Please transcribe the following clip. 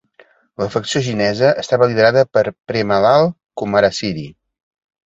La facció xinesa estava liderada per Premalal Kumarasiri.